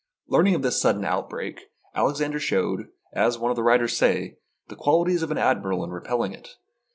Learning of this sudden outbreak, Alexander showed, as one of the writers says, the qualities of an admiral in repelling it.